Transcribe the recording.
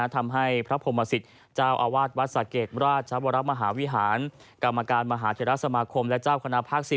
ทำให้พระพรมศิษย์เจ้าอาวาสวัดสะเกดราชวรมหาวิหารกรรมการมหาเทราสมาคมและเจ้าคณะภาค๔